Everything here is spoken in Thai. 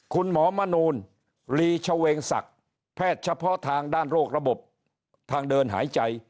คุณหมอมนูลลีชเวงศักดิ์แพทย์เฉพาะทางด้านโรคระบบทางเดินหายใจ